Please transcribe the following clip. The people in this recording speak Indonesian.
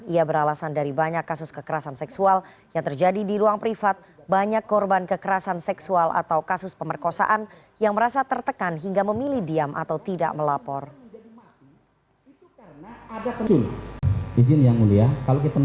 ia beralasan dari banyak kasus kekerasan seksual yang terjadi di ruang privat banyak korban kekerasan seksual atau kasus pemerkosaan yang merasa tertekan hingga memilih diam atau tidak melapor